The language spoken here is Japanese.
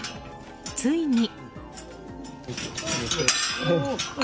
ついに。